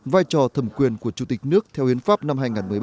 vai trò thẩm quyền của chủ tịch nước theo hiến pháp năm hai nghìn một mươi ba